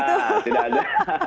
nah tidak ada